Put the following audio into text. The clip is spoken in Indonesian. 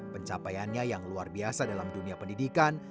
pencapaiannya yang luar biasa dalam dunia pendidikan